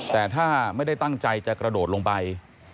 แต่ถ้าไม่ได้ตั้งใจจะกระโดดลงไป